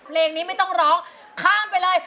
เพลงนี้ไม่ต้องร้องข้ามไปเลย